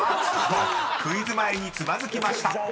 ［クイズ前につまずきました］